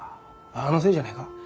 あのせいじゃないか？